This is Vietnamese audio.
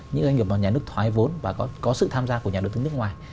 những doanh nghiệp mà nhà nước thoái vốn và có sự tham gia của nhà đầu tư nước ngoài